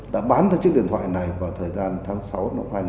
đã bán ra chiếc điện thoại này vào thời gian tháng sáu năm hai nghìn một mươi sáu